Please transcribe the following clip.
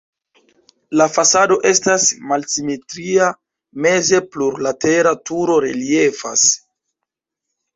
La fasado estas malsimetria, meze plurlatera turo reliefas.